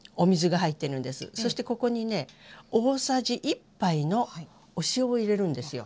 そしてここにね大さじ１杯のお塩を入れるんですよ。